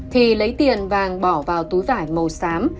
thì lấy tiền vàng bỏ vào túi vải màu xám